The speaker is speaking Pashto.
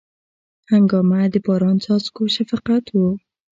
هنګامه د باران څاڅکو شفقت و